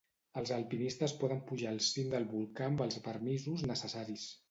Els alpinistes poden pujar el cim del volcà amb els permisos necessaris.